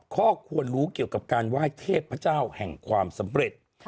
ข้อควรรู้เกี่ยวกับการไหว้เทพเจ้าแห่งความสำเร็จ